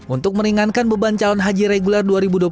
untuk meringankan beban calon haji reguler dua ribu dua puluh